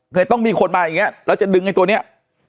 เลยต้องมีคนมาอย่างเงี้แล้วจะดึงไอ้ตัวเนี้ย